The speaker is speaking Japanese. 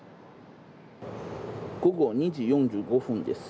午後２時４５分です。